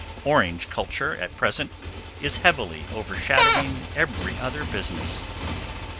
Orange culture, at present, is heavily overshadowing every other business.